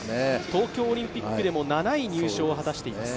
東京オリンピックでも７位入賞を果たしています。